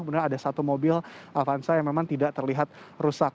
kemudian ada satu mobil avanza yang memang tidak terlihat rusak